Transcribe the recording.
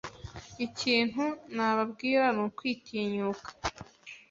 Ikintu nababwira ni ukwitinyuka